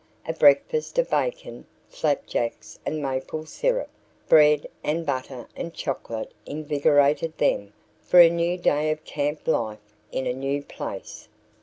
A breakfast of bacon, flapjacks and maple syrup, bread and butter and chocolate invigorated them for a new day of camp life in a new place.